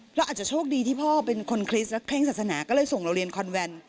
เราอาจจะโชคดีที่พ่อเป็นคนคริสต์และเคร่งศาสนาก็เลยส่งเราเรียนคอนแวน